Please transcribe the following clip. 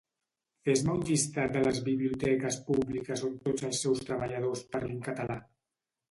Fes-me un llistat de les biblioteques Publiques on tots els seus treballadors parlin català